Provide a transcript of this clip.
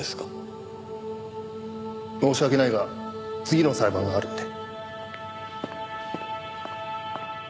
申し訳ないが次の裁判があるんで。